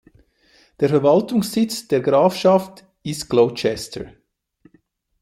Der Verwaltungssitz der Grafschaft ist Gloucester.